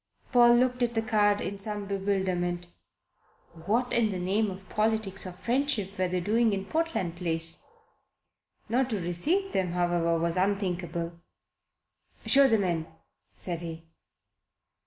Paul looked at the card in some bewilderment. What in the name of politics or friendship were they doing in Portland Place? Not to receive them, however, was unthinkable. "Show them in," said he.